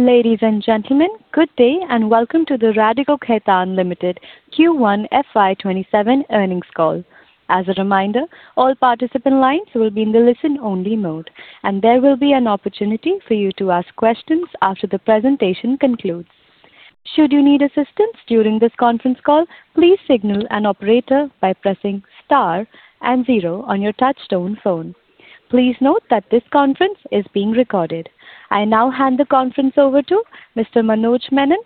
Ladies and gentlemen, good day and welcome to the Radico Khaitan Limited Q1 FY 2027 earnings call. As a reminder, all participant lines will be in the listen only mode, and there will be an opportunity for you to ask questions after the presentation concludes. Should you need assistance during this conference call, please signal an operator by pressing star and zero on your touchtone phone. Please note that this conference is being recorded. I now hand the conference over to Mr. Manoj Menon.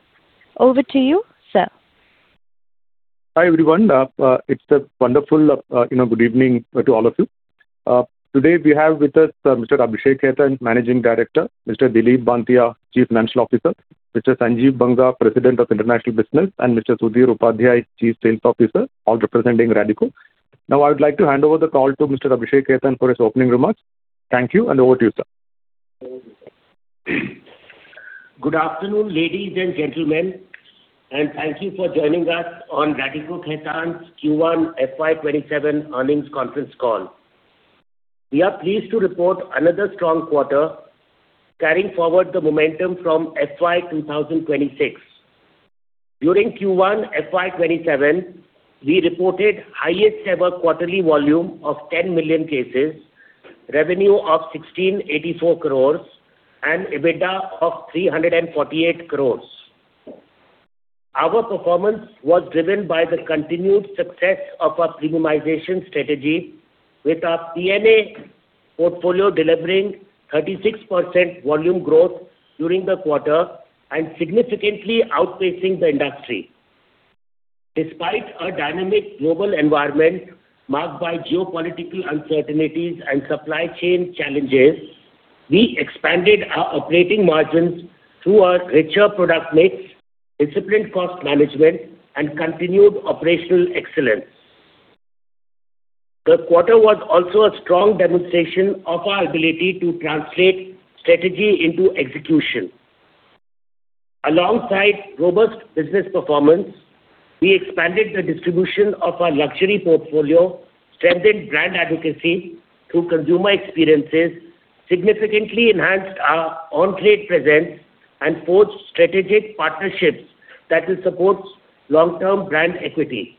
Over to you, sir. Hi, everyone. It's a wonderful good evening to all of you. Today we have with us Mr. Abhishek Khaitan, Managing Director, Mr. Dilip Banthiya, Chief Financial Officer, Mr. Sanjeev Banga, President of International Business, and Mr. Sudhir Upadhyay, Chief Sales Officer, all representing Radico. I would like to hand over the call to Mr. Abhishek Khaitan for his opening remarks. Thank you, and over to you, sir. Good afternoon, ladies and gentlemen, and thank you for joining us on Radico Khaitan's Q1 FY 2027 earnings conference call. We are pleased to report another strong quarter carrying forward the momentum from FY 2026. During Q1 FY 2027, we reported highest ever quarterly volume of 10 million cases, revenue of 1,684 crores, and EBITDA of 348 crores. Our performance was driven by the continued success of our premiumization strategy with our P&A portfolio delivering 36% volume growth during the quarter and significantly outpacing the industry. Despite a dynamic global environment marked by geopolitical uncertainties and supply chain challenges, we expanded our operating margins through our richer product mix, disciplined cost management, and continued operational excellence. The quarter was also a strong demonstration of our ability to translate strategy into execution. Alongside robust business performance, we expanded the distribution of our luxury portfolio, strengthened brand advocacy through consumer experiences, significantly enhanced our on-trade presence, and forged strategic partnerships that will support long-term brand equity.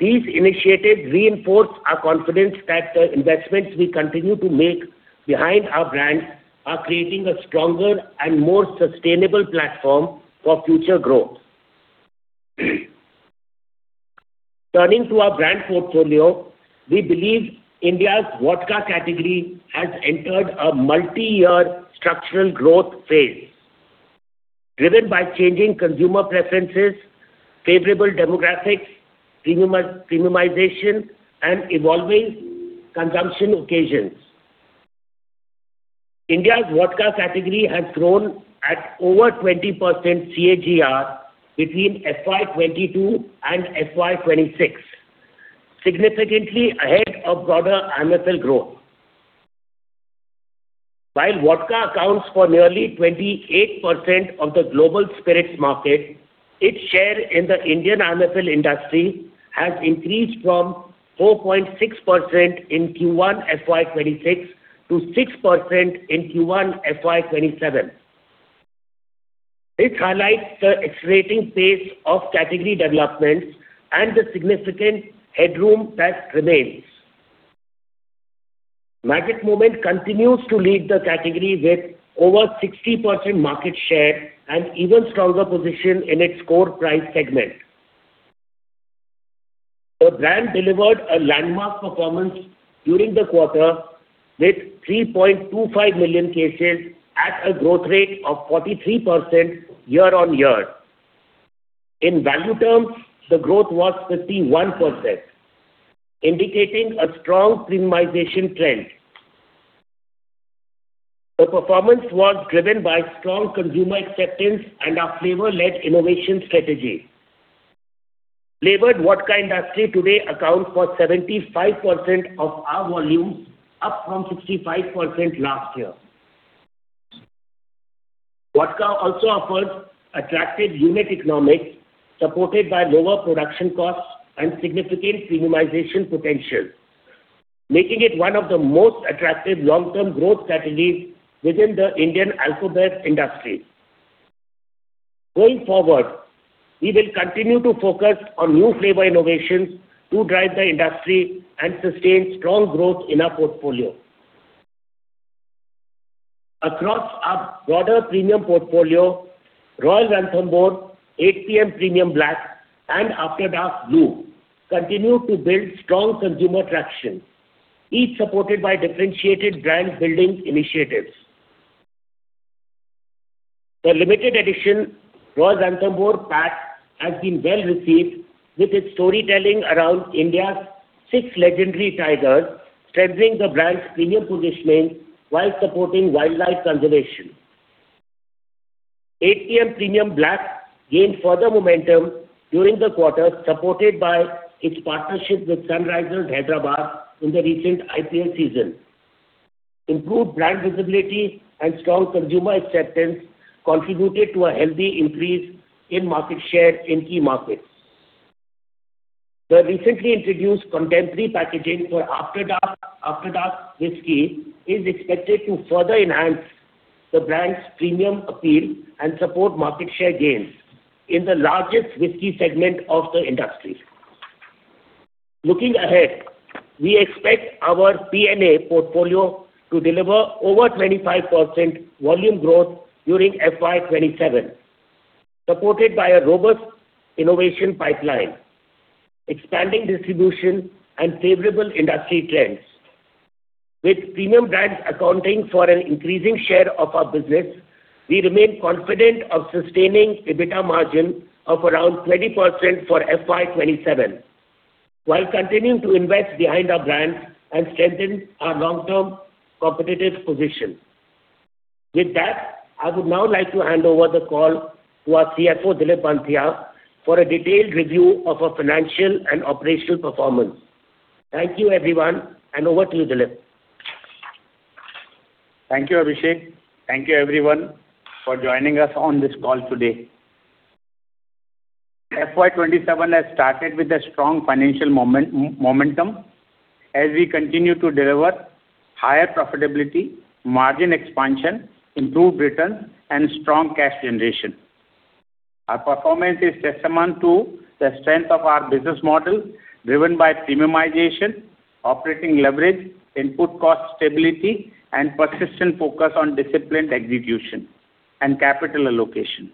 These initiatives reinforce our confidence that the investments we continue to make behind our brands are creating a stronger and more sustainable platform for future growth. Turning to our brand portfolio, we believe India's vodka category has entered a multi-year structural growth phase driven by changing consumer preferences, favorable demographics, premiumization, and evolving consumption occasions. India's vodka category has grown at over 20% CAGR between FY 2022 and FY 2026, significantly ahead of broader alcohol growth. While vodka accounts for nearly 28% of the global spirits market, its share in the Indian alcohol industry has increased from 4.6% in Q1 FY 2026 to 6% in Q1 FY 2027. This highlights the accelerating pace of category development and the significant headroom that remains. Magic Moments continues to lead the category with over 60% market share and even stronger position in its core price segment. The brand delivered a landmark performance during the quarter with 3.25 million cases at a growth rate of 43% year-over-year. In value terms, the growth was 51%, indicating a strong premiumization trend. The performance was driven by strong consumer acceptance and our flavor-led innovation strategy. Flavored vodka industry today accounts for 75% of our volumes, up from 65% last year. Vodka also offers attractive unit economics supported by lower production costs and significant premiumization potential, making it one of the most attractive long-term growth strategies within the Indian alcohol industry. Going forward, we will continue to focus on new flavor innovations to drive the industry and sustain strong growth in our portfolio. Across our broader premium portfolio, Royal Ranthambore, 8PM Premium Black, and After Dark Blue continue to build strong consumer traction, each supported by differentiated brand building initiatives. The limited edition Royal Ranthambore pack has been well-received with its storytelling around India's six legendary tigers, strengthening the brand's premium positioning while supporting wildlife conservation. 8PM Premium Black gained further momentum during the quarter, supported by its partnership with Sunrisers Hyderabad in the recent IPL season. Improved brand visibility and strong consumer acceptance contributed to a healthy increase in market share in key markets. The recently introduced contemporary packaging for After Dark Whisky is expected to further enhance the brand's premium appeal and support market share gains in the largest whisky segment of the industry. Looking ahead, we expect our P&A portfolio to deliver over 25% volume growth during FY 2027, supported by a robust innovation pipeline, expanding distribution, and favorable industry trends. With premium brands accounting for an increasing share of our business, we remain confident of sustaining EBITDA margin of around 20% for FY 2027 while continuing to invest behind our brands and strengthen our long-term competitive position. With that, I would now like to hand over the call to our CFO, Dilip Banthiya, for a detailed review of our financial and operational performance. Thank you everyone, over to you, Dilip. Thank you, Abhishek. Thank you everyone for joining us on this call today. FY 2027 has started with a strong financial momentum as we continue to deliver higher profitability, margin expansion, improved returns, and strong cash generation. Our performance is testament to the strength of our business model, driven by premiumization, operating leverage, input cost stability, and persistent focus on disciplined execution and capital allocation.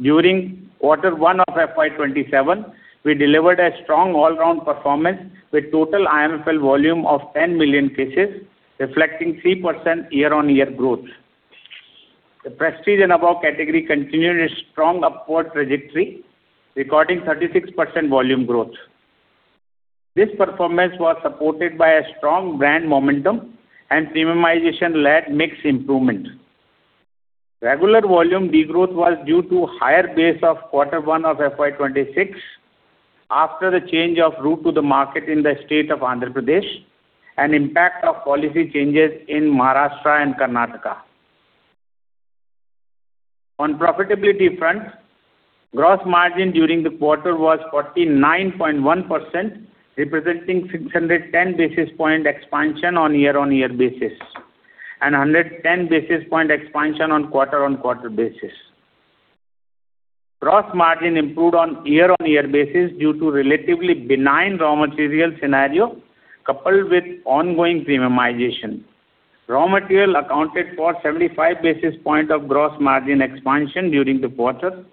During Q1 of FY 2027, we delivered a strong all-round performance with total IMFL volume of 10 million cases, reflecting 3% year-on-year growth. The prestige and above category continued its strong upward trajectory, recording 36% volume growth. This performance was supported by a strong brand momentum and premiumization-led mix improvement. Regular volume degrowth was due to higher base of Q1 of FY 2026 after the change of route to the market in the state of Andhra Pradesh, and impact of policy changes in Maharashtra and Karnataka. On profitability front, gross margin during the quarter was 49.1%, representing 610 basis points expansion on year-on-year basis, and 110 basis points expansion on quarter-on-quarter basis. Gross margin improved on year-on-year basis due to relatively benign raw material scenario, coupled with ongoing premiumization. Raw material accounted for 75 basis points of gross margin expansion during the quarter.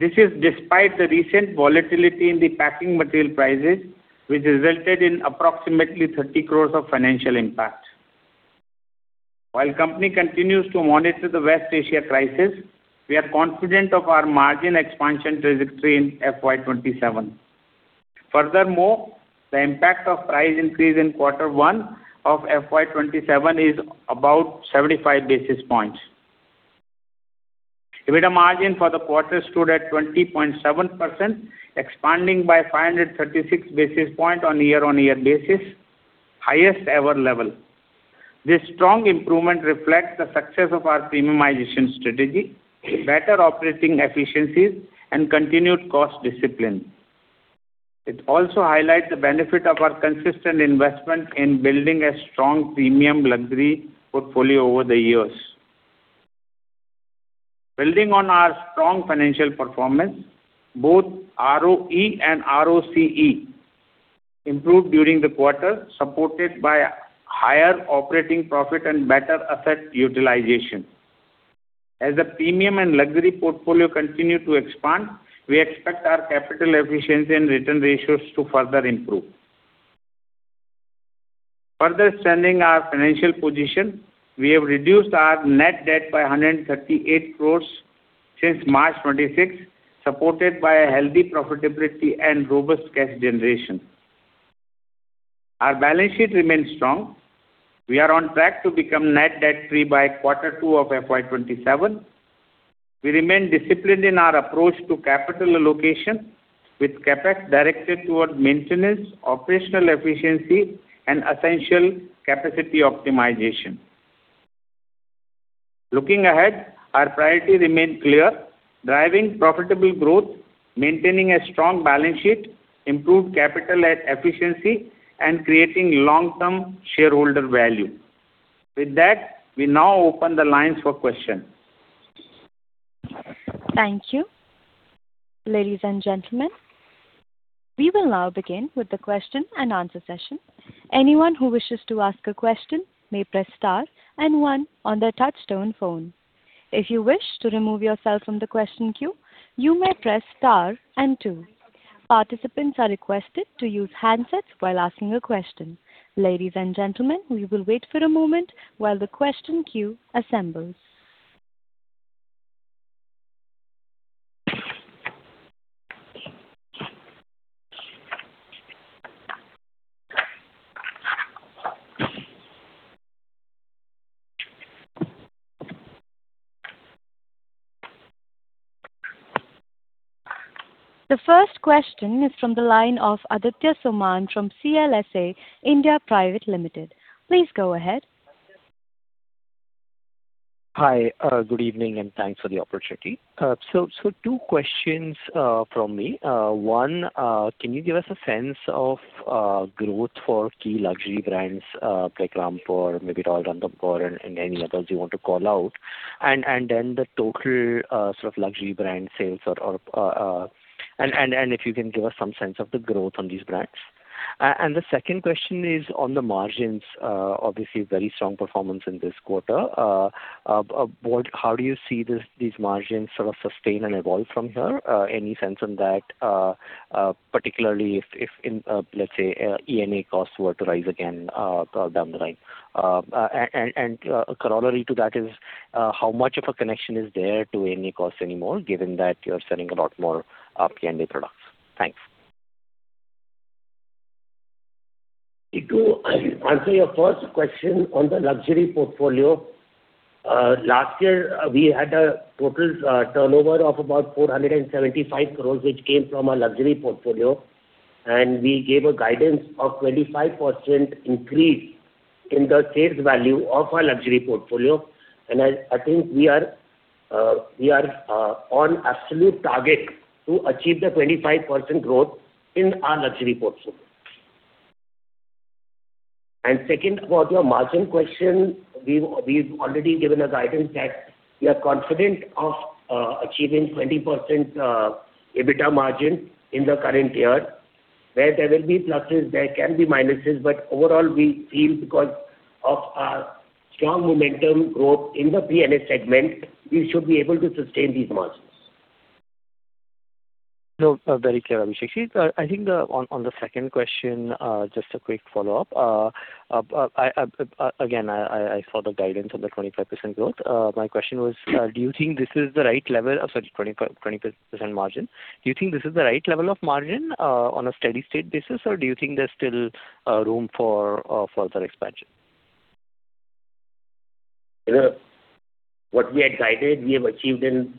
This is despite the recent volatility in the packing material prices, which resulted in approximately 30 crore of financial impact. While company continues to monitor the West Asia crisis, we are confident of our margin expansion trajectory in FY 2027. Furthermore, the impact of price increase in Q1 of FY 2027 is about 75 basis points. EBITDA margin for the quarter stood at 20.7%, expanding by 536 basis points on year-on-year basis, highest ever level. This strong improvement reflects the success of our premiumization strategy, better operating efficiencies, and continued cost discipline. It also highlights the benefit of our consistent investment in building a strong premium luxury portfolio over the years. Building on our strong financial performance, both ROE and ROCE improved during the quarter, supported by higher operating profit and better asset utilization. As the premium and luxury portfolio continue to expand, we expect our capital efficiency and return ratios to further improve. Further strengthening our financial position, we have reduced our net debt by 138 crore since March 2026, supported by a healthy profitability and robust cash generation. Our balance sheet remains strong. We are on track to become net debt free by Q2 of FY 2027. We remain disciplined in our approach to capital allocation, with CapEx directed towards maintenance, operational efficiency, and essential capacity optimization. Looking ahead, our priorities remain clear: driving profitable growth, maintaining a strong balance sheet, improved capital efficiency, and creating long-term shareholder value. With that, we now open the lines for questions. Thank you. Ladies and gentlemen, we will now begin with the question and answer session. Anyone who wishes to ask a question may press star and one on their touch-tone phone. If you wish to remove yourself from the question queue, you may press star and two. Participants are requested to use handsets while asking a question. Ladies and gentlemen, we will wait for a moment while the question queue assembles. The first question is from the line of Aditya Soman from CLSA India Private Limited. Please go ahead. Hi, good evening, thanks for the opportunity. Two questions from me. One, can you give us a sense of growth for key luxury brands like Rampur, maybe Royal Ranthambore and any others you want to call out? The total luxury brand sales, and if you can give us some sense of the growth on these brands. The second question is on the margins. Obviously, very strong performance in this quarter. How do you see these margins sustain and evolve from here? Any sense on that, particularly if, let's say, ENA costs were to rise again down the line? Corollary to that is, how much of a connection is there to ENA costs anymore, given that you're selling a lot more P&A products? Thanks. To answer your first question on the luxury portfolio. Last year, we had a total turnover of about 475 crore, which came from our luxury portfolio, and we gave a guidance of 25% increase in the sales value of our luxury portfolio. I think we are on absolute target to achieve the 25% growth in our luxury portfolio. Second, about your margin question, we've already given a guidance that we are confident of achieving 20% EBITDA margin in the current year. Where there will be pluses, there can be minuses. Overall, we feel because of our strong momentum growth in the P&A segment, we should be able to sustain these margins. No, very clear, Abhishek. I think on the second question, just a quick follow-up. Again, I saw the guidance on the 25% margin. Do you think this is the right level of margin on a steady-state basis or do you think there's still room for further expansion? What we had guided, we have achieved in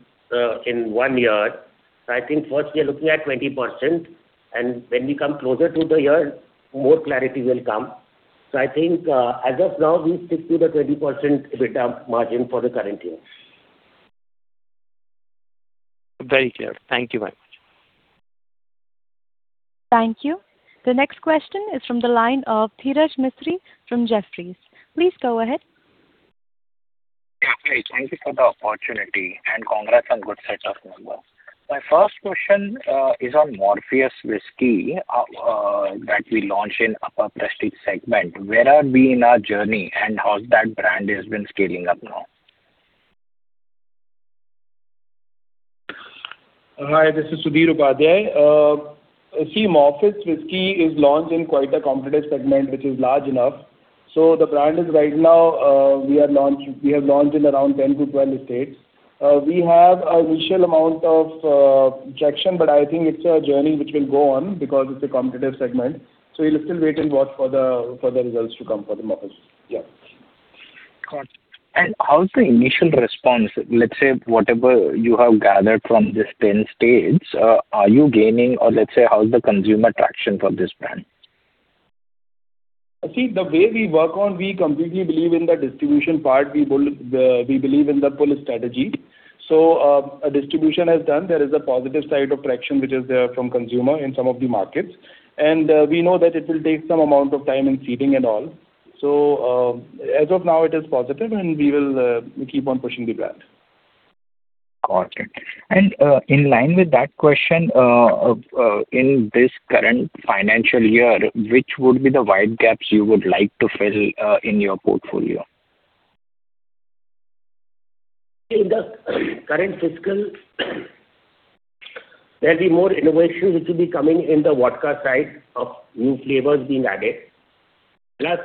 one year. I think first we are looking at 20%, and when we come closer to the year, more clarity will come. I think as of now, we stick to the 20% EBITDA margin for the current year. Very clear. Thank you very much. Thank you. The next question is from the line of Dhiraj Mistry from Jefferies. Please go ahead. Hi, thank you for the opportunity and congrats on good set of numbers. My first question is on Morpheus Whiskey that we launched in upper prestige segment. Where are we in our journey and how that brand has been scaling up now? Hi, this is Sudhir Upadhyay. Morpheus Whiskey is launched in quite a competitive segment which is large enough. The brand right now, we have launched in around 10 to 12 states. We have an initial amount of traction, but I think it's a journey which will go on because it's a competitive segment. We'll still wait and watch for the results to come for the Morpheus. Got it. How's the initial response? Let's say whatever you have gathered from these 10 states, are you gaining or let's say, how's the consumer traction for this brand? See, the way we work on, we completely believe in the distribution part. We believe in the pull strategy. Distribution has done. There is a positive side of traction which is there from consumer in some of the markets. We know that it will take some amount of time in seeding and all. As of now, it is positive and we will keep on pushing the brand. Got it. In line with that question, in this current financial year, which would be the wide gaps you would like to fill in your portfolio? In the current fiscal, there'll be more innovation which will be coming in the vodka side of new flavors being added. Plus,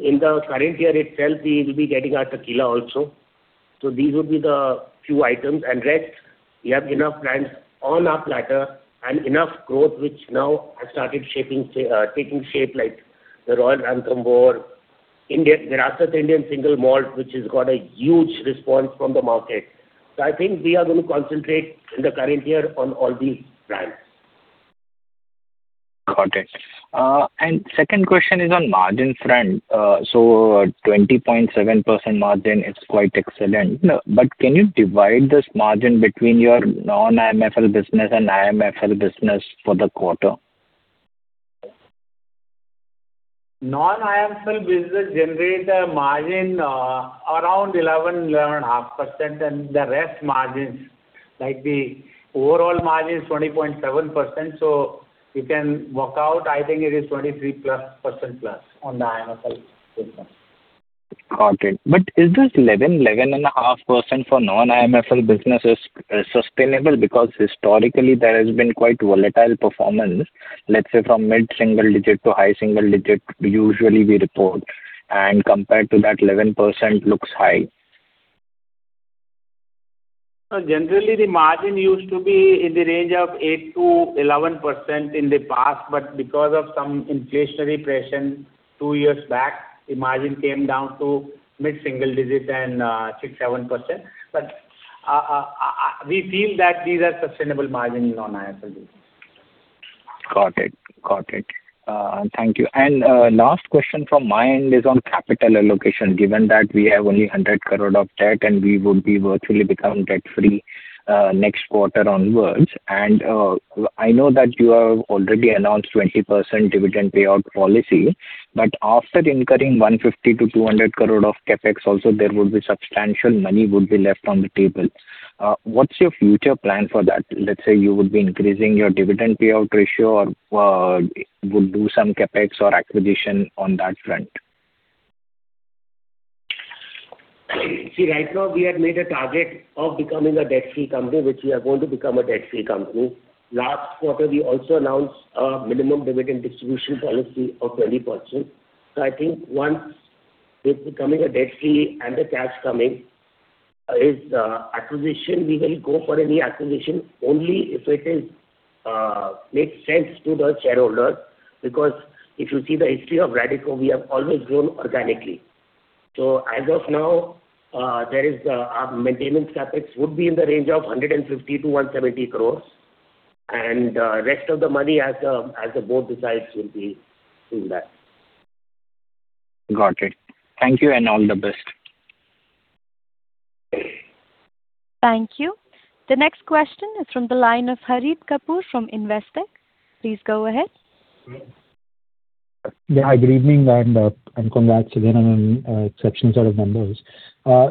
in the current year itself, we will be getting our tequila also. These would be the few items. Rest, we have enough brands on our platter and enough growth which now has started taking shape like the Royal Ranthambore, the Rampur Single Malt which has got a huge response from the market. I think we are going to concentrate in the current year on all these brands. Got it. Second question is on margin front. 20.7% margin is quite excellent. Can you divide this margin between your non-IMFL business and IMFL business for the quarter? Non-IMFL business generates a margin around 11%-11.5%, and the rest margins, like the overall margin is 20.7%. You can work out, I think it is 23% plus on the IMFL business. Got it. Is this 11%-11.5% for non-IMFL businesses sustainable? Historically there has been quite volatile performance, let's say from mid-single digit to high single digit usually we report, and compared to that 11% looks high. No, generally the margin used to be in the range of 8%-11% in the past. Because of some inflationary pressure two years back, the margin came down to mid-single digit and 6%-7%. We feel that these are sustainable margins on IMFL business. Got it. Thank you. Last question from my end is on capital allocation, given that we have only 100 crore of debt and we would be virtually become debt-free next quarter onwards. I know that you have already announced 20% dividend payout policy, but after incurring 150 crore-200 crore of CapEx also, there would be substantial money would be left on the table. What's your future plan for that? Let's say you would be increasing your dividend payout ratio or would do some CapEx or acquisition on that front. See, right now we have made a target of becoming a debt-free company, which we are going to become a debt-free company. Last quarter, we also announced a minimum dividend distribution policy of 20%. I think once with becoming a debt-free and the cash coming, acquisition, we will go for any acquisition only if it makes sense to the shareholders because if you see the history of Radico, we have always grown organically. As of now, our maintenance CapEx would be in the range of 150 crore-170 crore, and rest of the money as the board decides will be in that. Got it. Thank you and all the best. Thank you. The next question is from the line of Harit Kapoor from Investec. Please go ahead. Good evening. Congrats again on an exceptional set of numbers.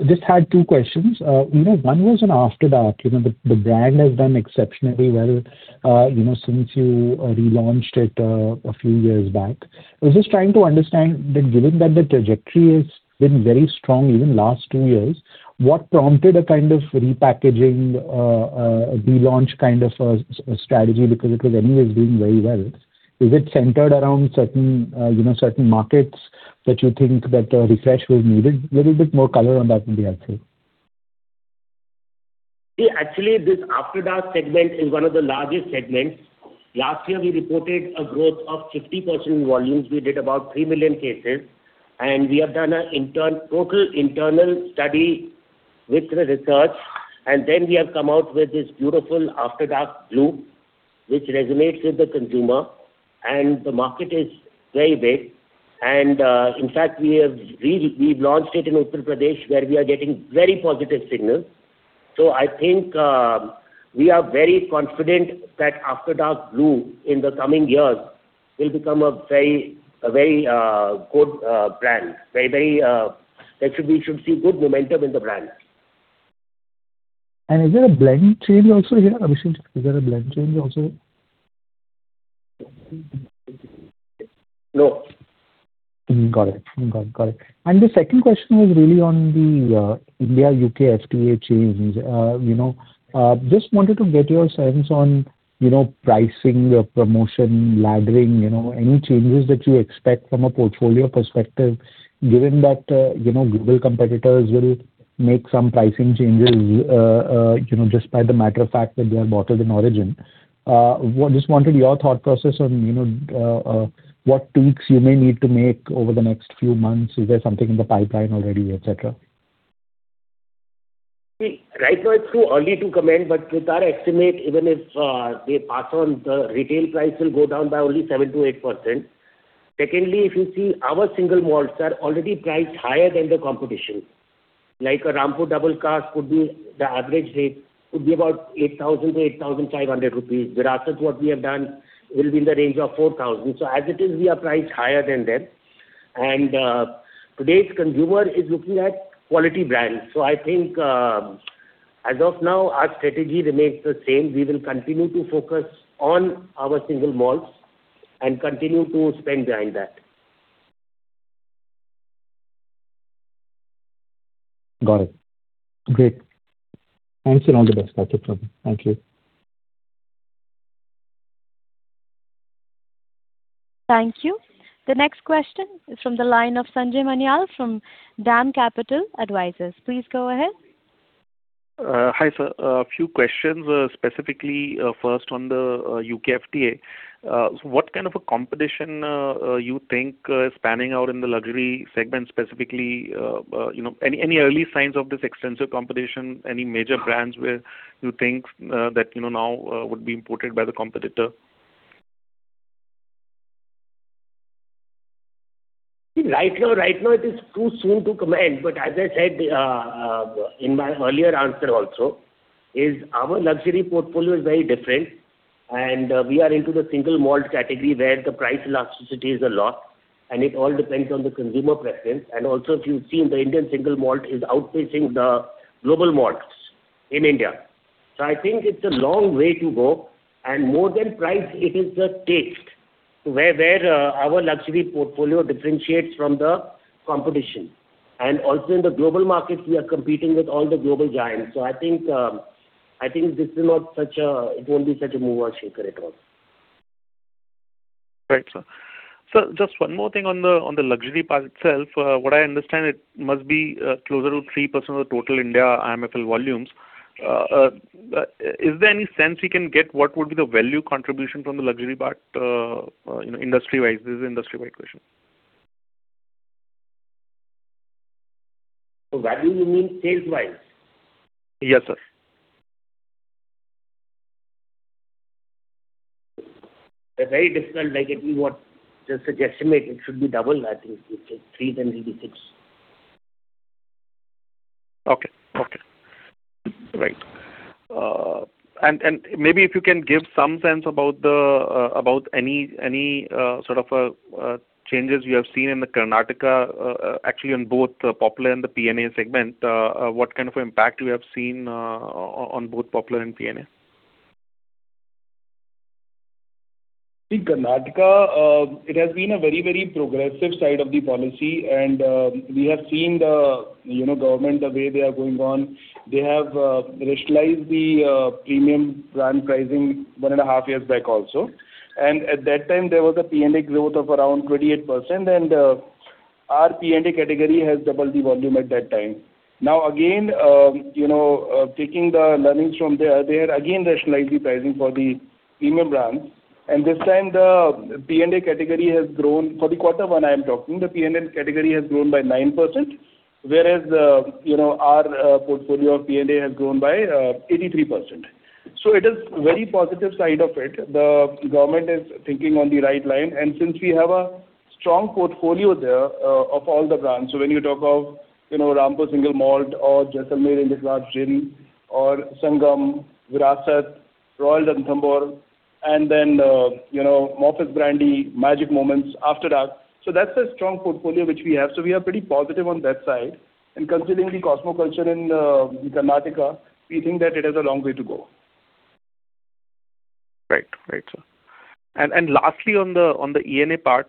Just had two questions. One was on After Dark. The brand has done exceptionally well since you relaunched it a few years back. I was just trying to understand that given that the trajectory has been very strong even last two years, what prompted a kind of repackaging, relaunch kind of a strategy because it was anyways doing very well. Is it centered around certain markets that you think that a refresh was needed? Little bit more color on that would be helpful. This After Dark segment is one of the largest segments. Last year we reported a growth of 50% in volumes. We did about three million cases. We have done a total internal study with the research. We have come out with this beautiful After Dark Blue, which resonates with the consumer. The market is very big. In fact, we've launched it in Uttar Pradesh where we are getting very positive signals. I think we are very confident that After Dark Blue in the coming years will become a very good brand. We should see good momentum in the brand. Is there a blend change also here? No. Got it. The second question was really on the India-U.K. FTA change. Just wanted to get your sense on pricing, promotion, laddering, any changes that you expect from a portfolio perspective, given that global competitors will make some pricing changes just by the matter of fact that they are bottled in origin. Just wanted your thought process on what tweaks you may need to make over the next few months. Is there something in the pipeline already, et cetera? Right now it's too early to comment, but our estimate, even if they pass on, the retail price will go down by only 7%-8%. Secondly, if you see our single malts are already priced higher than the competition. Like a Rampur Double Cask, the average rate could be about 8,000-8,500 rupees. Virasat, what we have done will be in the range of 4,000. As it is, we are priced higher than them. Today's consumer is looking at quality brands. I think as of now, our strategy remains the same. We will continue to focus on our single malts and continue to spend behind that. Got it. Great. Thanks, and all the best. Thank you. Thank you. The next question is from the line of Sanjay Manyal from DAM Capital Advisors. Please go ahead. Hi, sir. A few questions, specifically first on the U.K. FTA. What kind of a competition you think spanning out in the luxury segment specifically, any early signs of this extensive competition? Any major brands where you think that now would be imported by the competitor? Right now it is too soon to comment, but as I said in my earlier answer also, is our luxury portfolio is very different, and we are into the single malt category where the price elasticity is a lot, and it all depends on the consumer preference. If you've seen the Indian single malt is outpacing the global malts in India. I think it's a long way to go, and more than price, it is the taste where our luxury portfolio differentiates from the competition. In the global markets, we are competing with all the global giants. I think it won't be such a mover shaker at all. Right, sir. Sir, just one more thing on the luxury part itself. What I understand it must be closer to 3% of the total India IMFL volumes. Is there any sense we can get what would be the value contribution from the luxury part industry-wise? This is an industry-wide question. Value, you mean sales wise? Yes, sir. It's very difficult. Like if you want just to guesstimate, it should be double, I think. If it's three, it will be six. Okay. Right. Maybe if you can give some sense about any sort of changes you have seen in Karnataka, actually on both Popular and the P&A segment. What kind of impact you have seen on both Popular and P&A? Karnataka, it has been a very progressive side of the policy, we have seen the government the way they are going on. They have rationalized the premium brand pricing one and a half years back also. At that time, there was a P&A growth of around 28%, our P&A category has doubled the volume at that time. Again, taking the learnings from there, they had again rationalized the pricing for the premium brands. This time the P&A category has grown, for the quarter one I am talking, the P&A category has grown by 9%, whereas our portfolio of P&A has grown by 83%. It is very positive side of it. The government is thinking on the right line, since we have a strong portfolio there of all the brands, when you talk of Rampur Single Malt or Jaisalmer Indian Craft Gin or Sangam, Virasat, Royal Ranthambore, Morpheus Brandy, Magic Moments, After Dark. That's the strong portfolio which we have. We are pretty positive on that side. Considering the cosmo culture in Karnataka, we think that it has a long way to go. Lastly, on the ENA part,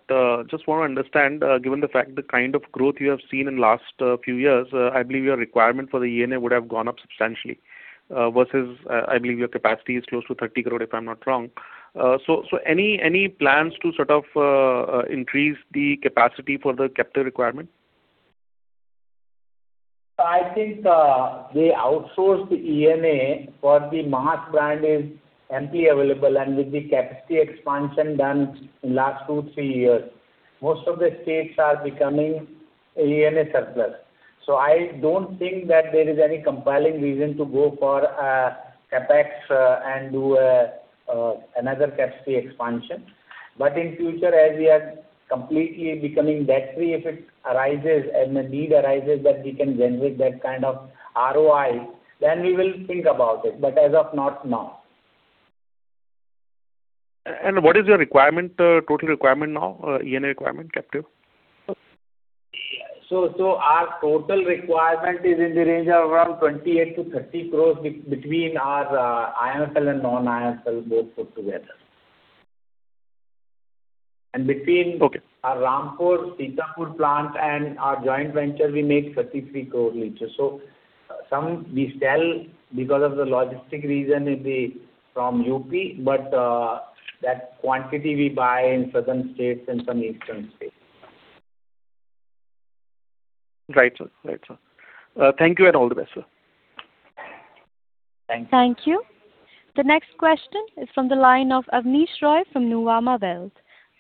just want to understand, given the fact the kind of growth you have seen in last few years, I believe your requirement for the ENA would have gone up substantially, versus I believe your capacity is close to 30 crore, if I'm not wrong. Any plans to sort of increase the capacity for the captive requirement? I think the outsourced ENA for the mass brand is amply available, and with the capacity expansion done in last two, three years, most of the states are becoming ENA surplus. I don't think that there is any compelling reason to go for a CapEx and do another capacity expansion. In future, as we are completely becoming debt-free, if it arises and a need arises that we can generate that kind of ROI, then we will think about it. As of now, no. What is your total requirement now? ENA requirement, captive? Our total requirement is in the range of around 28 crore-30 crore between our IMFL and non-IMFL both put together. Between- Okay. Our Rampur Sitapur plant and our joint venture, we make 33 crore L. Some we sell because of the logistic reason it be from UP, but that quantity we buy in certain states and some eastern states. Right, sir. Thank you, and all the best, sir. Thanks. Thank you. The next question is from the line of Abneesh Roy from Nuvama Wealth.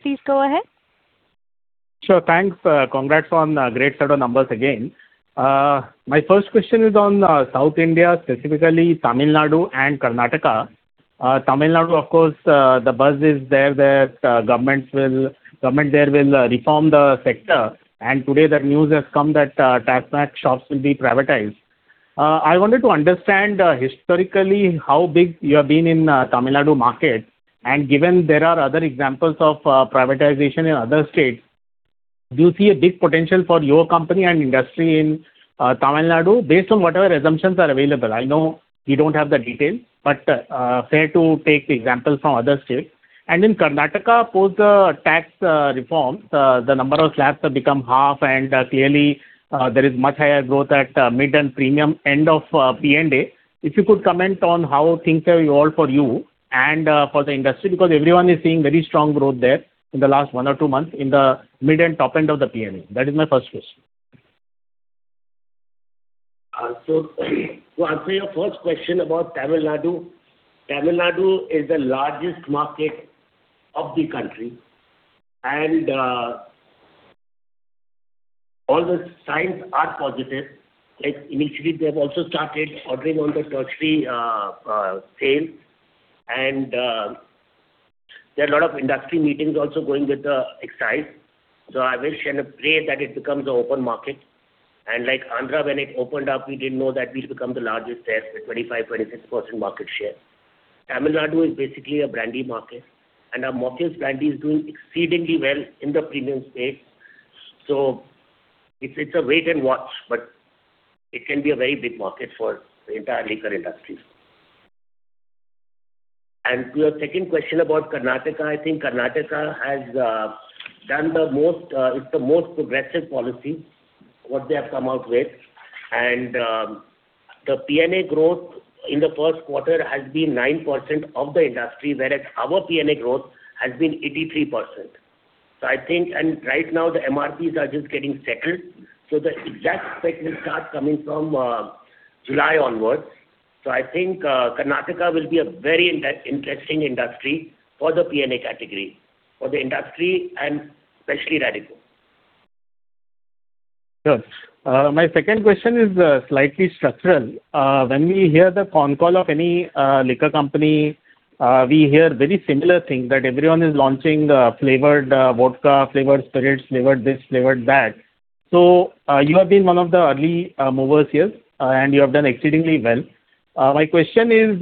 Please go ahead. Sure, thanks. Congrats on great set of numbers again. My first question is on South India, specifically Tamil Nadu and Karnataka. Tamil Nadu, of course, the buzz is there that government there will reform the sector, and today the news has come that TASMAC shops will be privatized. I wanted to understand, historically, how big you have been in Tamil Nadu market. Given there are other examples of privatization in other states, do you see a big potential for your company and industry in Tamil Nadu based on whatever assumptions are available? I know you don't have the detail, but fair to take the examples from other states. In Karnataka, post the tax reforms, the number of slabs have become half, and clearly, there is much higher growth at mid and premium end of P&A. If you could comment on how things have evolved for you and for the industry, because everyone is seeing very strong growth there in the last one or two months in the mid and top end of the P&A. That is my first question. To answer your first question about Tamil Nadu, Tamil Nadu is the largest market of the country, and all the signs are positive. Like initially, they have also started ordering on the tertiary sale. There are a lot of industry meetings also going with the excise. I wish and pray that it becomes an open market. Like Andhra, when it opened up, we didn't know that we'd become the largest there with 25%-26% market share. Tamil Nadu is basically a brandy market, and our Morpheus Brandy is doing exceedingly well in the premium space. It's a wait and watch, but it can be a very big market for the entire liquor industry. To your second question about Karnataka, I think Karnataka has done the most progressive policy, what they have come out with. The P&A growth in the first quarter has been 9% of the industry, whereas our P&A growth has been 83%. I think, and right now the MRPs are just getting settled, the exact effect will start coming from July onwards. I think Karnataka will be a very interesting industry for the P&A category, for the industry, and especially Radico. Sure. My second question is slightly structural. When we hear the phone call of any liquor company, we hear very similar things, that everyone is launching the flavored vodka, flavored spirits, flavored this, flavored that. You have been one of the early movers here, and you have done exceedingly well. My question is,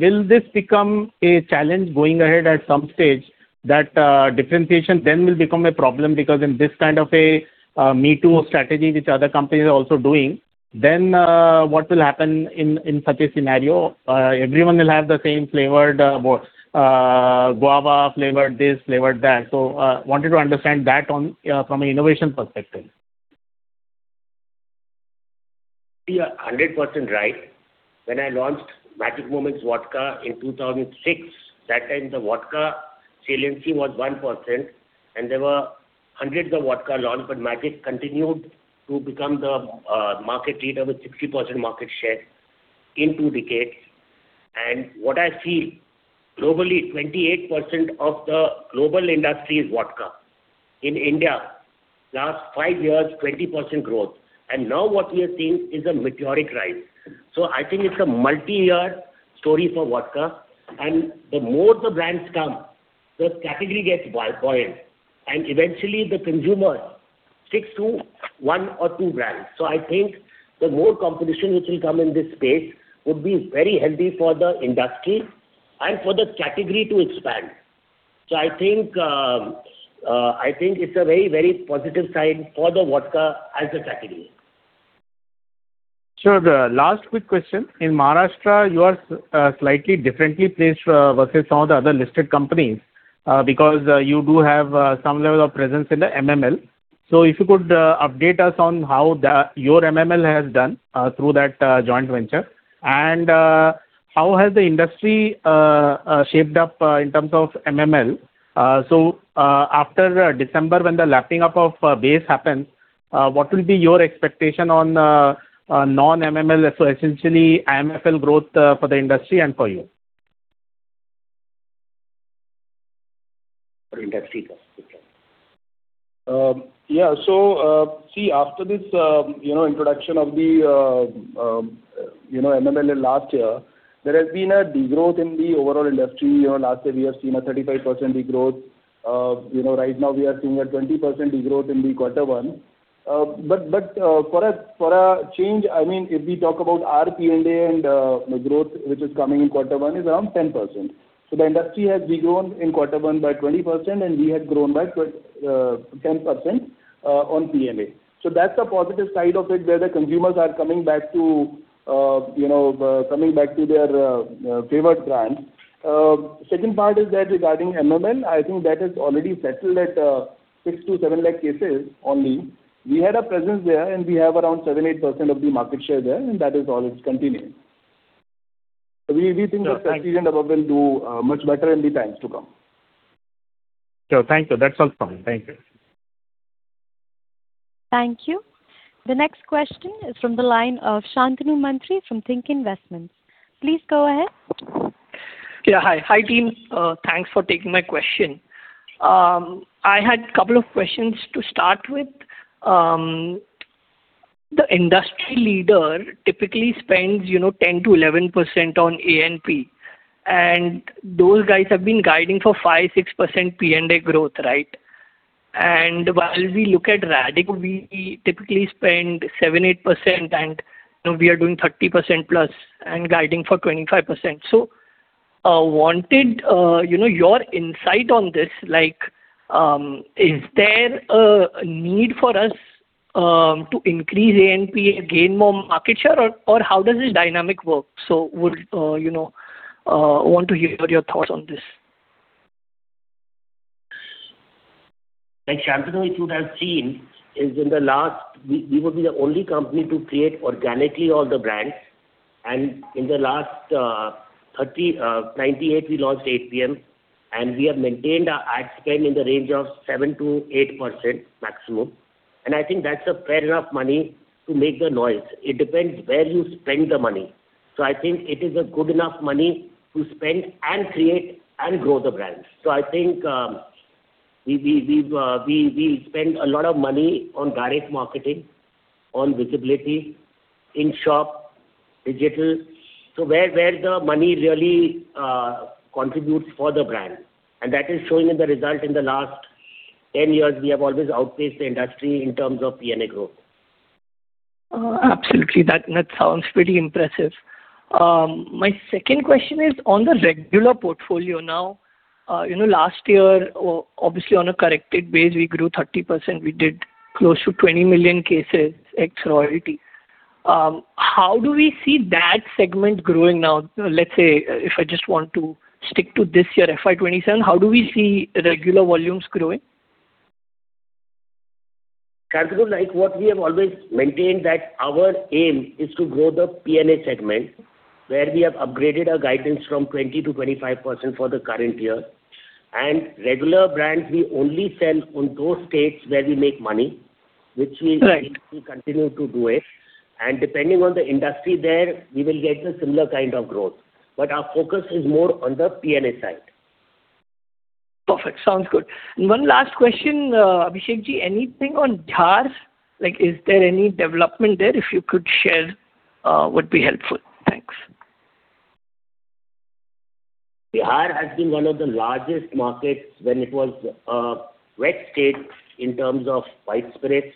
will this become a challenge going ahead at some stage, that differentiation then will become a problem because in this kind of a me-too strategy which other companies are also doing, then what will happen in such a scenario? Everyone will have the same flavored vodka, guava flavored this, flavored that. Wanted to understand that from an innovation perspective. You are 100% right. When I launched Magic Moments Vodka in 2006, that time the vodka saliency was 1%, and there were hundreds of vodka launched, but Magic continued to become the market leader with 60% market share in two decades. What I feel, globally, 28% of the global industry is vodka. In India, last five years, 20% growth. Now what we are seeing is a meteoric rise. I think it's a multi-year story for vodka. The more the brands come, the category gets wide volume, and eventually the consumer sticks to one or two brands. I think the more competition which will come in this space would be very healthy for the industry and for the category to expand. I think it's a very positive sign for the vodka as a category. Sure. Last quick question. In Maharashtra, you are slightly differently placed versus some of the other listed companies, because you do have some level of presence in the MML. If you could update us on how your MML has done through that joint venture, and how has the industry shaped up in terms of MML? After December when the lapping up of base happens, what will be your expectation on non-MML, so essentially, IMFL growth for the industry and for you? For industry growth. Okay. Yeah. See, after this introduction of the MML last year, there has been a degrowth in the overall industry. Last year we have seen a 35% degrowth. Right now we are seeing a 20% degrowth in the quarter one. For a change, if we talk about our P&A and the growth which is coming in quarter one is around 10%. The industry has degrown in quarter one by 20%, and we have grown by 10% on P&A. That's the positive side of it, where the consumers are coming back to their favored brands. Second part is that regarding MML, I think that has already settled at six to seven lakh cases only. We had a presence there, and we have around seven, 8% of the market share there, and that is all, it's continuing. We think the Prestige & Above will do much better in the times to come. Sure. Thank you. That's all from me. Thank you. Thank you. The next question is from the line of Shantanu Mantri from Think Investments. Please go ahead. Yeah, hi. Hi, team. Thanks for taking my question. I had a couple of questions to start with. The industry leader typically spends 10%-11% on A&P, and those guys have been guiding for 5%-6% P&A growth, right? While we look at Radico, we typically spend 7%-8%, and we are doing 30%+ and guiding for 25%. Wanted your insight on this. Is there a need for us to increase A&P, gain more market share, or how does this dynamic work? Want to hear your thoughts on this. Shantanu, if you would have seen, we would be the only company to create organically all the brands. In the last 1998, we launched 8PM, and we have maintained our ad spend in the range of 7%-8% maximum. I think that's a fair enough money to make the noise. It depends where you spend the money. I think it is a good enough money to spend and create and grow the brands. I think we'll spend a lot of money on direct marketing, on visibility, in-shop, digital, so where the money really contributes for the brand. That is showing in the result in the last 10 years, we have always outpaced the industry in terms of P&A growth. Absolutely. That sounds pretty impressive. My second question is on the regular portfolio now. Last year, obviously on a corrected base, we grew 30%. We did close to 20 million cases ex-royalty. How do we see that segment growing now? Let's say, if I just want to stick to this year, FY 2027, how do we see regular volumes growing? Shantanu, like what we have always maintained that our aim is to grow the P&A segment, where we have upgraded our guidance from 20%-25% for the current year. Regular brands, we only sell on those states where we make money, which means- Right. ..we continue to do it. Depending on the industry there, we will get the similar kind of growth. Our focus is more on the P&A side. Perfect. Sounds good. One last question, Abhishek, anything on Bihar? Is there any development there, if you could share, would be helpful. Thanks. Bihar has been one of the largest markets when it was a wet state in terms of white spirits,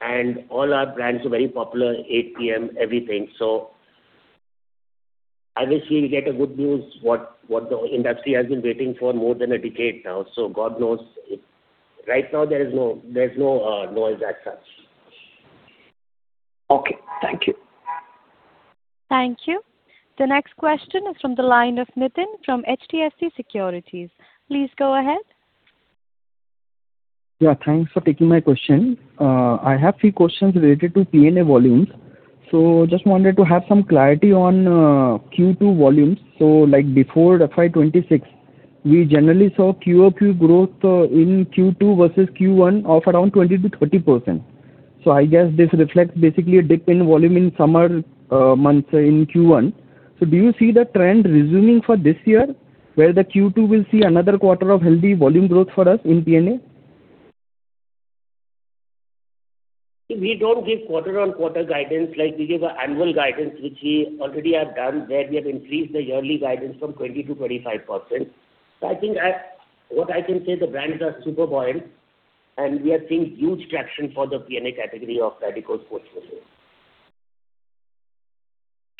and all our brands are very popular, 8PM, everything. I wish we will get a good news what the industry has been waiting for more than a decade now. God knows. Right now, there is no noise as such. Okay. Thank you. Thank you. The next question is from the line of Nitin from HDFC Securities. Please go ahead. Yeah. Thanks for taking my question. I have three questions related to P&A volumes. Just wanted to have some clarity on Q2 volumes. Like before FY 2026, we generally saw quarter-over-quarter growth in Q2 versus Q1 of around 20%-30%. I guess this reflects basically a dip in volume in summer months in Q1. Do you see the trend resuming for this year, where the Q2 will see another quarter of healthy volume growth for us in P&A? We don't give quarter-over-quarter guidance. We give annual guidance, which we already have done, where we have increased the yearly guidance from 20%-25%. I think what I can say, the brands are super boiled, and we are seeing huge traction for the P&A category of Radico's portfolio.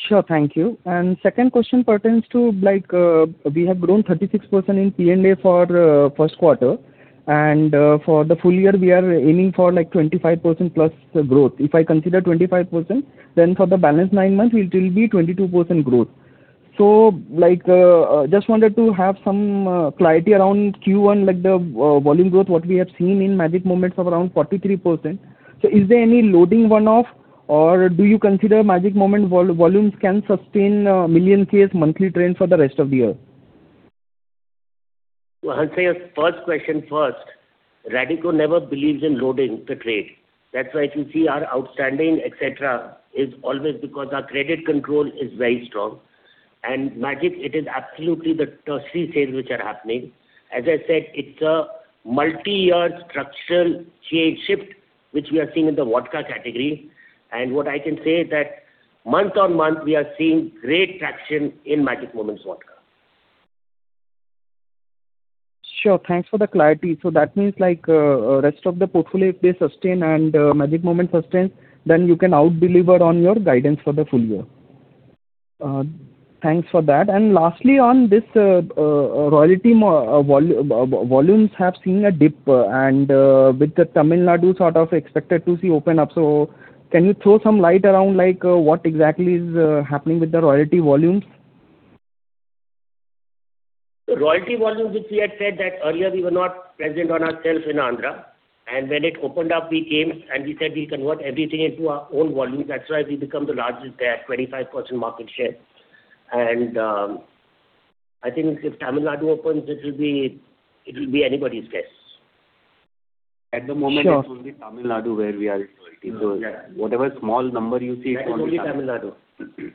Sure. Thank you. Second question pertains to we have grown 36% in P&A for first quarter, and for the full year, we are aiming for 25%+ growth. If I consider 25%, then for the balance nine months, it will be 22% growth. Just wanted to have some clarity around Q1, the volume growth, what we have seen in Magic Moments of around 43%. Is there any loading one-off, or do you consider Magic Moments volumes can sustain million-case monthly trend for the rest of the year? I'll say first question first. Radico never believes in loading the trade. That's why if you see our outstanding, et cetera, is always because our credit control is very strong. Magic, it is absolutely the tertiary sales which are happening. As I said, it's a multi-year structural change shift, which we are seeing in the vodka category. What I can say is that month-on-month, we are seeing great traction in Magic Moments Vodka. Sure. Thanks for the clarity. That means rest of the portfolio, if they sustain and Magic Moments sustains, then you can out-deliver on your guidance for the full year. Thanks for that. Lastly, on this Royalty volumes have seen a dip, and with Tamil Nadu sort of expected to see open up. Can you throw some light around what exactly is happening with the Royalty volumes? Royalty volumes, which we had said that earlier we were not present on our shelf in Andhra, and when it opened up, we came, and we said we will convert everything into our own volumes. That's why we become the largest there, 25% market share. I think if Tamil Nadu opens, it will be anybody's guess. Sure. At the moment, it's only Tamil Nadu where we are in Royalty. Yeah. Whatever small number you see. That is only Tamil Nadu.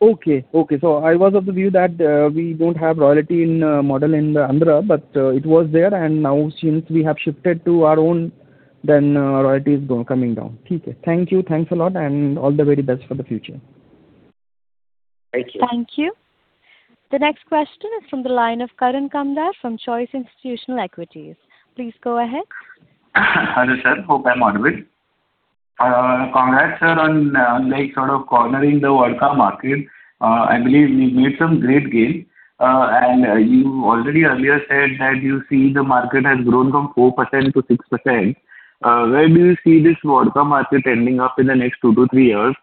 Okay. I was of the view that we don't have royalty model in Andhra, but it was there, and now since we have shifted to our own, then royalty is coming down. Thank you. Thanks a lot, and all the very best for the future. Thank you. Thank you. The next question is from the line of Karan Kamdar from Choice Institutional Equities. Please go ahead. Hello, sir. Hope I'm audible. Congrats sir, on sort of cornering the vodka market. I believe you made some great gain. You already earlier said that you see the market has grown from 4% to 6%. Where do you see this vodka market ending up in the next two to three years?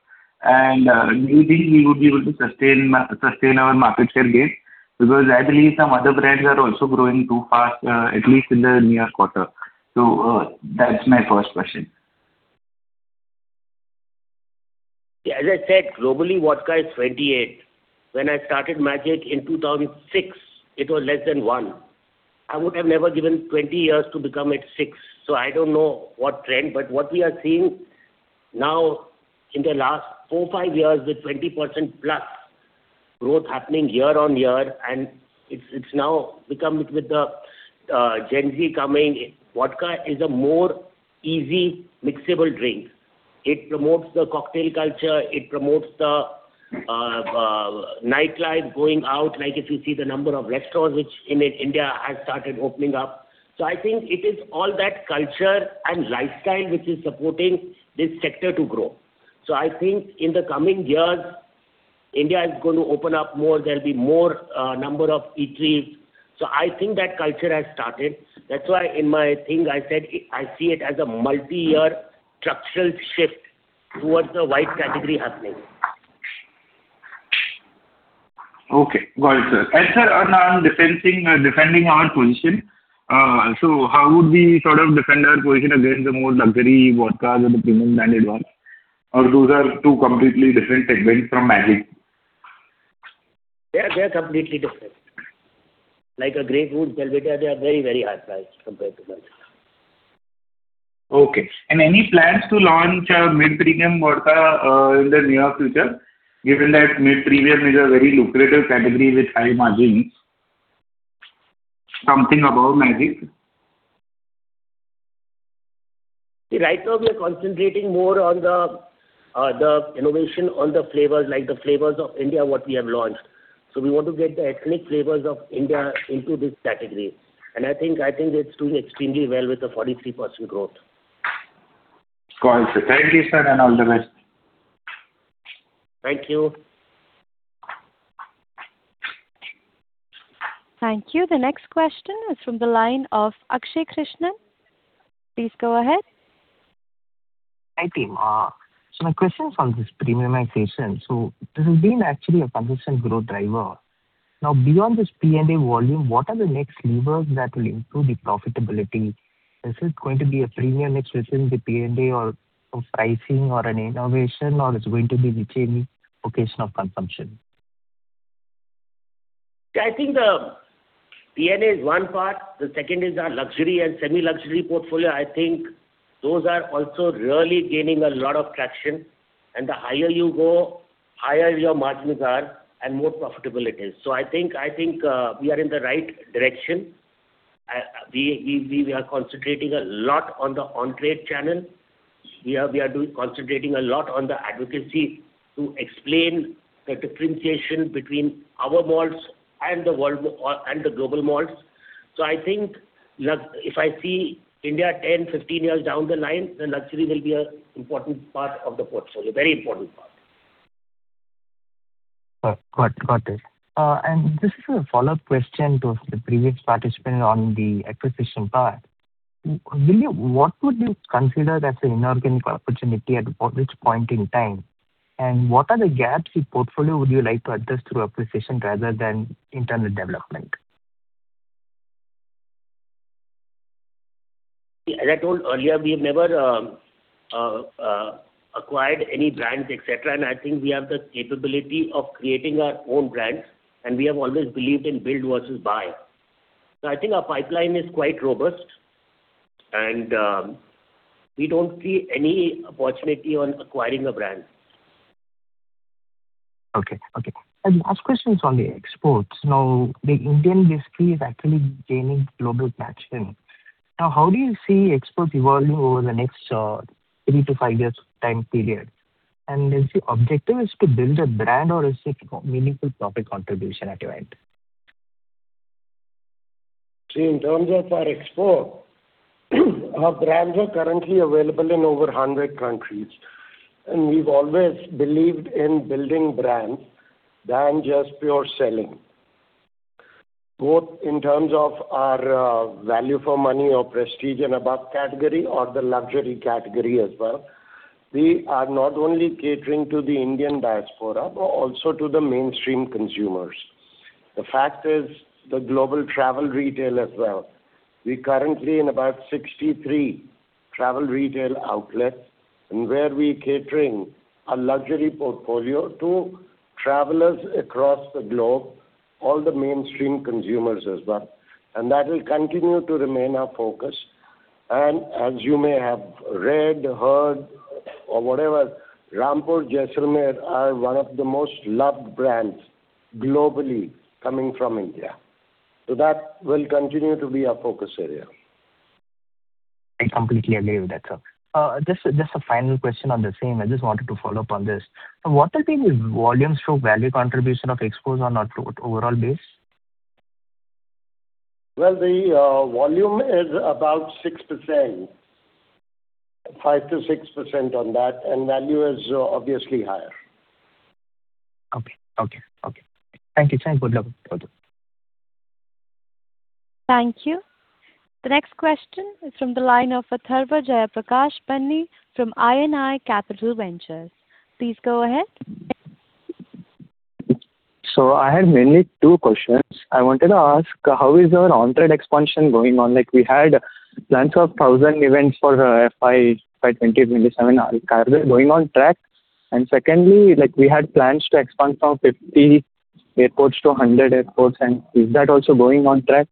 Do you think we would be able to sustain our market share base? I believe some other brands are also growing too fast, at least in the near quarter. That's my first question. As I said, globally, vodka is 28. When I started Magic in 2006, it was less than one. I would have never given 20 years to become at six, I don't know what trend, but what we are seeing now in the last four, five years with 20%+ growth happening year-on-year, with the Gen Z coming, vodka is a more easy mixable drink. It promotes the cocktail culture. It promotes the nightlife, going out, like if you see the number of restaurants w hich in India has started opening up. I think it is all that culture and lifestyle which is supporting this sector to grow. I think in the coming years, India is going to open up more. There'll be more number of eateries. I think that culture has started. That's why in my thing, I said, I see it as a multi-year structural shift towards the white category happening. Okay. Got it, sir. Sir, on defending our position. How would we sort of defend our position against the more luxury vodkas or the premium branded ones? Those are two completely different segments from Magic? They are completely different. Like a GREY GOOSE, Belvedere, they are very high priced compared to vodka. Okay. Any plans to launch a mid-premium vodka in the near future, given that mid-premium is a very lucrative category with high margins, something above Magic? Right now, we are concentrating more on the innovation on the flavors, like the flavors of India, what we have launched. We want to get the ethnic flavors of India into this category. I think it's doing extremely well with the 43% growth. Got it. Thank you, sir, and all the best. Thank you. Thank you. The next question is from the line of Akshay Krishnan. Please go ahead. Hi, team. My question is on this premiumization. This has been actually a consistent growth driver. Now, beyond this P&A volume, what are the next levers that will improve the profitability? Is it going to be a premium mix within the P&A or pricing or an innovation, or it's going to be retaining occasional consumption? I think the P&A is one part. The second is our luxury and semi-luxury portfolio. I think those are also really gaining a lot of traction, and the higher you go, higher your margins are, and more profitable it is. I think we are in the right direction. We are concentrating a lot on the on-trade channel. We are concentrating a lot on the advocacy to explain the differentiation between our malts and the global malts. I think if I see India 10, 15 years down the line, then luxury will be a very important part of the portfolio. Got it. This is a follow-up question to the previous participant on the acquisition part. What would you consider as an inorganic opportunity at which point in time? What are the gaps in portfolio would you like to address through acquisition rather than internal development? As I told earlier, we have never acquired any brands, etc. I think we have the capability of creating our own brands, and we have always believed in build versus buy. I think our pipeline is quite robust, and we don't see any opportunity on acquiring a brand. Okay. Last question is on the exports. The Indian whisky is actually gaining global traction. How do you see exports evolving over the next three to five years time period? Is the objective is to build a brand or is it meaningful profit contribution at your end? In terms of our export, our brands are currently available in over 100 countries, and we've always believed in building brands than just pure selling. Both in terms of our value for money or Prestige & Above category or the luxury category as well. We are not only catering to the Indian diaspora, but also to the mainstream consumers. The fact is the global travel retail as well. We're currently in about 63 travel retail outlets, and where we're catering a luxury portfolio to travelers across the globe, all the mainstream consumers as well, and that will continue to remain our focus. As you may have read, heard, or whatever, Rampur, Jaisalmer are one of the most loved brands globally coming from India. That will continue to be our focus area. I completely agree with that, sir. Just a final question on the same. I just wanted to follow up on this. What are the volumes to value contribution of exports on our overall base? Well, the volume is about 5%-6% on that, and value is obviously higher. Okay. Thank you. Thanks for the update. Thank you. The next question is from the line of Atharva Jayaprakash from I&I Capital Ventures. Please go ahead. I have mainly two questions. I wanted to ask, how is your on-trade expansion going on? We had plans for 1,000 events for FY 2027. Are they going on track? Secondly, we had plans to expand from 50 airports to 100 airports. Is that also going on track?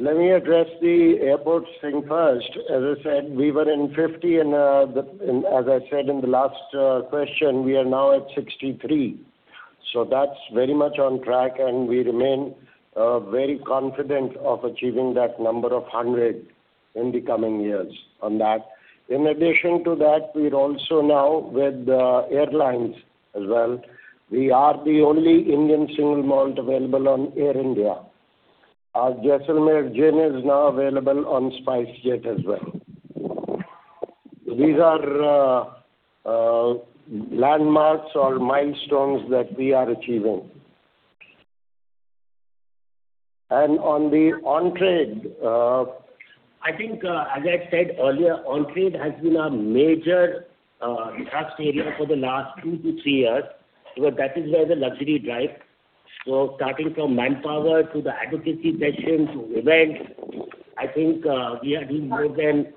Let me address the airports thing first. As I said, we were in 50. As I said in the last question, we are now at 63. That's very much on track, and we remain very confident of achieving that number of 100 in the coming years on that. In addition to that, we're also now with the airlines as well. We are the only Indian single malt available on Air India. Our Jaisalmer gin is now available on SpiceJet as well. These are landmarks or milestones that we are achieving. On the on-trade- I think, as I said earlier, on-trade has been a major thrust area for the last two to three years because that is where the luxury drive Starting from manpower to the advocacy sessions to events, I think we are doing more than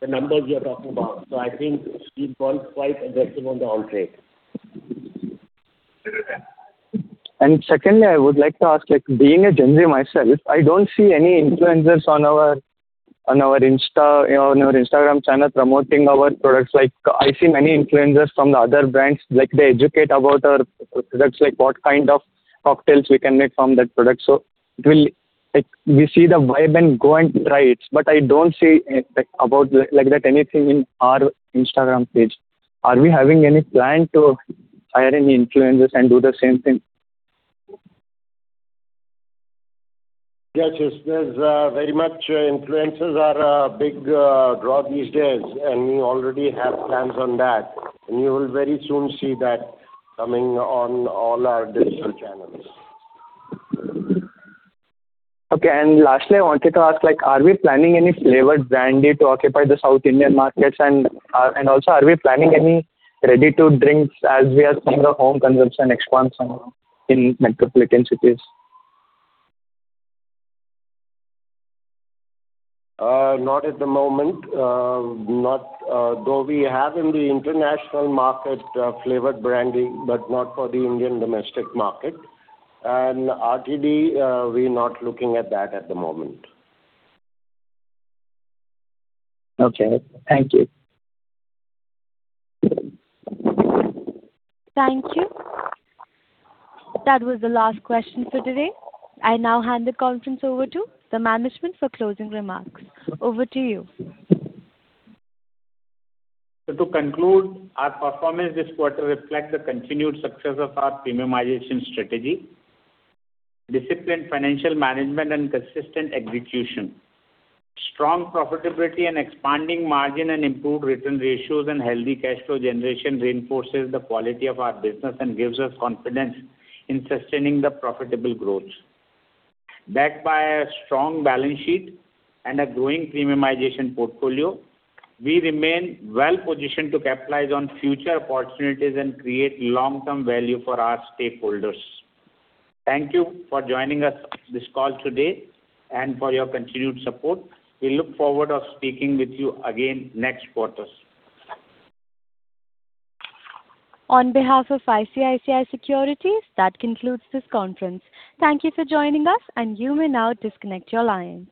the numbers you're talking about. I think we've gone quite aggressive on the on-trade. Secondly, I would like to ask, being a Gen Z myself, I don't see any influencers on our Instagram channel promoting our products. I see many influencers from the other brands, they educate about their products, like what kind of cocktails we can make from that product. We see the vibe and go and try it. I don't see anything like that on our Instagram page. Are we having any plan to hire any influencers and do the same thing? Yes. Very much. Influencers are a big draw these days, we already have plans on that. You will very soon see that coming on all our digital channels. Okay. Lastly, I wanted to ask, are we planning any flavored brandy to occupy the South Indian markets? Also, are we planning any ready-to-drinks as we are seeing the home consumption expansion in metropolitan cities? Not at the moment. Though we have in the international market flavored brandy, not for the Indian domestic market. RTD, we're not looking at that at the moment. Okay. Thank you. Thank you. That was the last question for today. I now hand the conference over to the management for closing remarks. Over to you. To conclude, our performance this quarter reflects the continued success of our premiumization strategy, disciplined financial management, and consistent execution. Strong profitability, and expanding margin, and improved return ratios, and healthy cash flow generation reinforces the quality of our business and gives us confidence in sustaining the profitable growth. Backed by a strong balance sheet and a growing premiumization portfolio, we remain well-positioned to capitalize on future opportunities and create long-term value for our stakeholders. Thank you for joining us on this call today and for your continued support. We look forward to speaking with you again next quarters. On behalf of ICICI Securities, that concludes this conference. Thank you for joining us, and you may now disconnect your lines.